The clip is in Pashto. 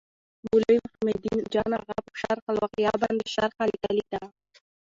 مولوي محي الدین جان اغا په شرح الوقایه باندي شرحه لیکلي ده.